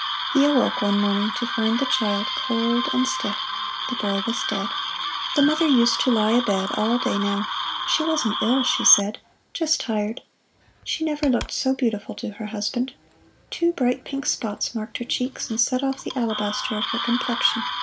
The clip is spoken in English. He awoke one morning to find the child cold and stiff. The boy was dead. The mother used to lie abed all day now. She wasn't ill she said just tired! She never looked so beautiful to her husband. Two bright pink spots marked her cheeks, and set off the alabaster of her complexion.